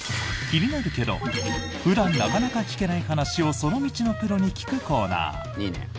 気になるけど普段なかなか聞けない話をその道のプロに聞くコーナー。